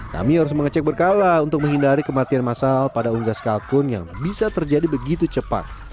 kami harus mengecek berkala untuk menghindari kematian massal pada unggas kalkun yang bisa terjadi begitu cepat